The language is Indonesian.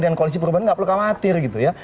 koalisi perubahan nggak perlu khawatir gitu ya